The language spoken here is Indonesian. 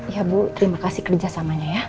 ya bu terima kasih kerjasamanya ya